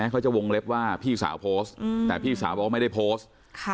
เขาจะวงเล็บว่าพี่สาวโพสต์แต่พี่สาวบอกว่าไม่ได้โพสต์